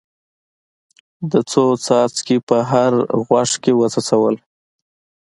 ده څو څاڅکي په هر غوږ کې وڅڅول.